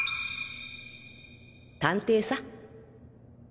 探偵さ！